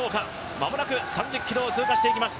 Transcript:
間もなく３０ｋｍを通過していきます。